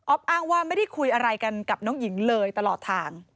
อ้างว่าไม่ได้คุยอะไรกันกับน้องหญิงเลยตลอดทาง